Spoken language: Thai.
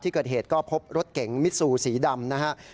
ที่เกิดเหตุก็พบรถเก๋งมิซูสีดำนะครับ